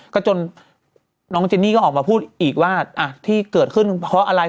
ก็จนน้องเจนนี่ก็ออกมาพูดอีกว่าที่เกิดขึ้นเพราะอะไร